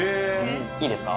いいですか？